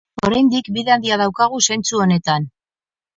Oraindik bide handia daukagu zentzu honetan.